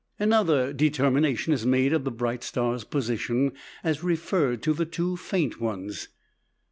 Another determination is made of the bright star's position as referred to the two faint ones.